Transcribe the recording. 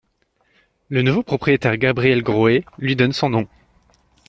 Le nouveau propriétaire Gabriel Grohe lui donne son nom.